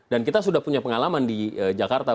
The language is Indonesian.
dan kita sudah punya pengalaman di jakarta